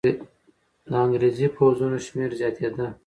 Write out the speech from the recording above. د انګریزي پوځونو شمېر زیاتېده.